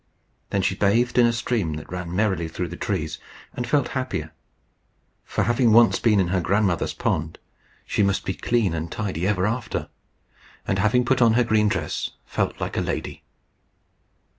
Then she bathed in a stream that ran merrily through the trees, and felt happier; for having once been in her grandmother's pond, she must be clean and tidy ever after; and, having put on her green dress, felt like a lady.